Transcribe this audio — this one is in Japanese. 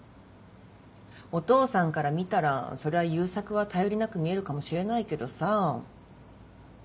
お父さんから見たらそりゃ悠作は頼りなく見えるかもしれないけどさぁ。